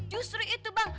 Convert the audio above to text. justru itu bang